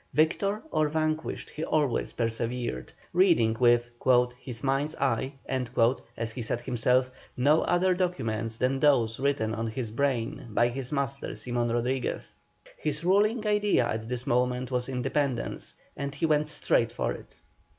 Victor or vanquished he always persevered, reading with "his mind's eye," as he said himself, no other documents than those written on his brain by his master Simon Rodriguez. His ruling idea at this moment was independence, and he went straight for it.